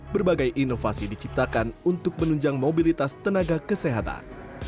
berbagai inovasi diciptakan untuk menunjang mobilitas tenaga kesehatan